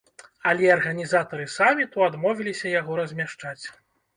Але арганізатары саміту адмовіліся яго размяшчаць.